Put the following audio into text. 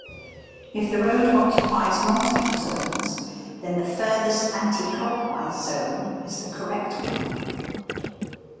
If the road occupies multiple zones, then the furthest-anticlockwise zone is the correct one.